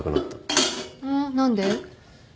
うん？何で？